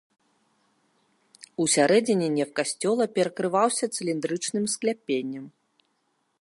Усярэдзіне неф касцёла перакрываўся цыліндрычным скляпеннем.